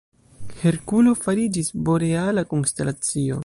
Herkulo fariĝis boreala konstelacio.